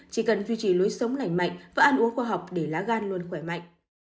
chỉ cần duy trì lối sống lành mạnh và ăn uống khoa học để lá gan luôn khỏe mạnh